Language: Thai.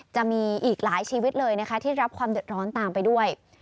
จะมีอีกหลายชีวิตเลยนะคะที่รับความเดือดร้อนตามไปด้วย